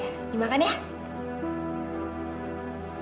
mas doni makasih dengan aku